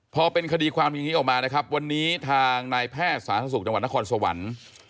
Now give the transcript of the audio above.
พอเป็นคดีความอย่างนี้ออกมานะครับวันนี้ทางนายแพทย์สาธารณสุขจังหวัดนครสวรรค์